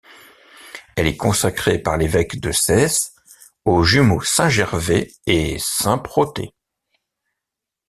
Elle est consacrée par l'évêque de Sées aux jumeaux saint Gervais et saint Protais.